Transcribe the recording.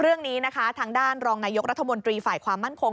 เรื่องนี้นะคะทางด้านรองนายกรัฐมนตรีฝ่ายความมั่นคง